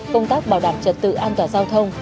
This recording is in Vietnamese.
công tác bảo đảm trật tự an toàn giao thông